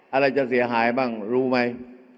อะไรจะเสียหายบ้างรู้ไหม